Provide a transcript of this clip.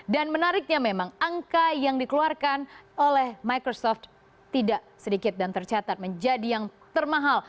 dan menariknya memang angka yang dikeluarkan oleh microsoft tidak sedikit dan tercatat menjadi yang termahal